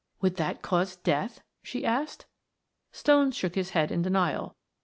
"Would that cause death?" she asked. Stone shook his head in denial.